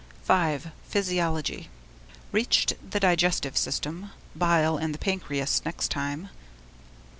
V. Physiology: Reached the digestive system. Bile and the pancreas next time.